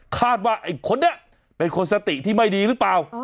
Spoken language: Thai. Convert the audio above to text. ว่าไอ้คนนี้เป็นคนสติที่ไม่ดีหรือเปล่า